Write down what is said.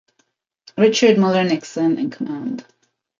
Richard Mueller Nixon in command.